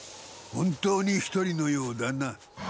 本当に一人のようだな。